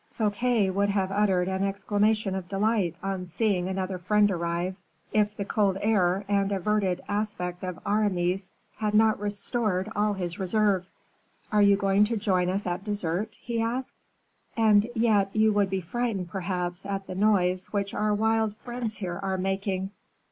Fouquet would have uttered an exclamation of delight on seeing another friend arrive, if the cold air and averted aspect of Aramis had not restored all his reserve. "Are you going to join us at dessert?" he asked. "And yet you would be frightened, perhaps, at the noise which our wild friends here are making?"